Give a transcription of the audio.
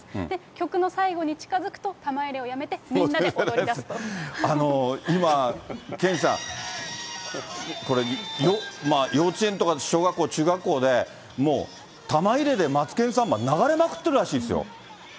曲の最後に近づくと、玉入れをやめて、今、健さん、これ、幼稚園とか小学校、中学校で、もう玉入れでマツケンサンバ、流れまくってるらしいですよ。